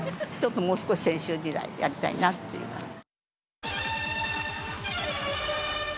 ちょっともう少し青春時代やりたいなっていうか。